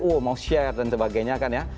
oh mau share dan sebagainya kan ya